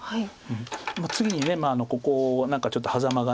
次にここを何かちょっとハザマが。